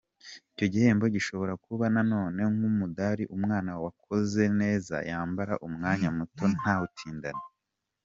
Icyo gihembo gishobora kuba nanone nk’umudali umwana wakoze neza yambara umwanya muto ntawutindane.